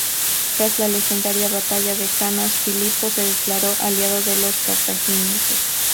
Tras la legendaria batalla de Cannas, Filipo se declaró aliado de los cartagineses.